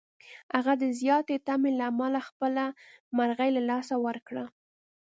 هغه د زیاتې تمې له امله خپله مرغۍ له لاسه ورکړه.